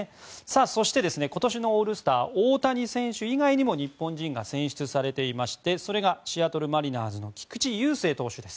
そして、今年のオールスターは大谷選手以外にも日本人が選出されていましてそれが、シアトル・マリナーズの菊池雄星投手です。